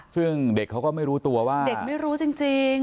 ซึ่งเด็กเขาก็ไม่รู้ตัวว่าเด็กไม่รู้จริง